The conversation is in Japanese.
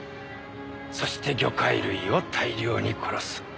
そして魚介類を大量に殺す。